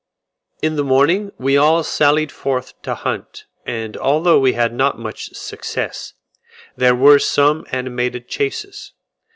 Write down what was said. In the morning we all sallied forth to hunt, and although we had not much success, there were some animated chases.